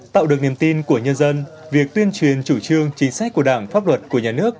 tạo được niềm tin của nhân dân việc tuyên truyền chủ trương chính sách của đảng pháp luật của nhà nước